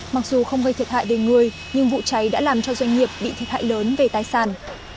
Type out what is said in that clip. mặc dù không gây thiệt hại về người nhưng vụ cháy đã làm cho doanh nghiệp bị thiệt hại lớn về tài sản